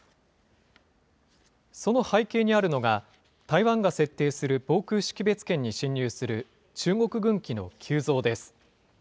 その背景にあるのが、台湾が設定する防空識別圏に進入する中国軍機の急増です。